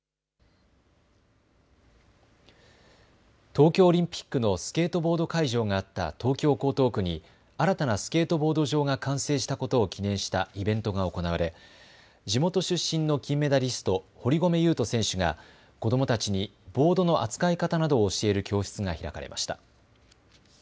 東京オリンピックのスケートボード会場があった東京江東区に新たなスケートボード場が完成したことを記念したイベントが行われ、地元出身の金メダリスト、堀米雄斗選手が子どもたちにボードの扱い方などを教える教室が開かれました。